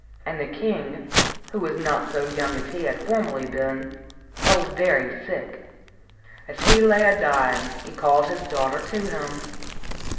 And the king, who was not so young as he had formerly been, fell very sick. IV As he lay a dying he called his daughter to him.